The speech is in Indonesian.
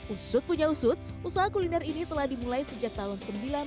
usut punya usut usaha kuliner ini telah dimulai sejak tahun seribu sembilan ratus sembilan puluh